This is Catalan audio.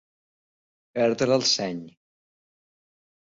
Perdre el seny.